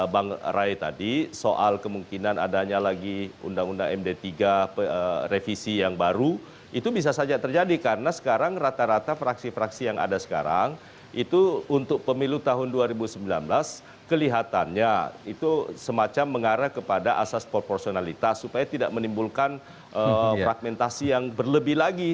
bang ray tadi soal kemungkinan adanya lagi undang undang md tiga revisi yang baru itu bisa saja terjadi karena sekarang rata rata fraksi fraksi yang ada sekarang itu untuk pemilu tahun dua ribu sembilan belas kelihatannya itu semacam mengarah kepada asas proporsionalitas supaya tidak menimbulkan fragmentasi yang berlebih lagi